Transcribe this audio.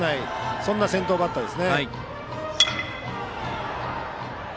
そんな先頭バッターですね。